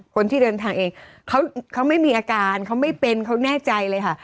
คนที่เดินทางเองเขาไม่มีอาการเขาไม่เป็นเขาแน่ใจเลยค่ะ